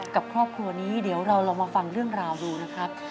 กับครอบครัวนี้เดี๋ยวเราลองมาฟังเรื่องราวดูนะครับ